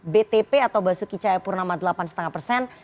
btp atau basuki caya purnama delapan lima persen